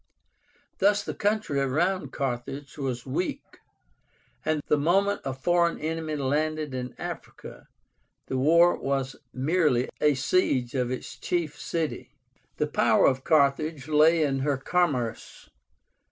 Thus the country around Carthage was weak, and the moment a foreign enemy landed in Africa the war was merely a siege of its chief city. The power of Carthage lay in her commerce.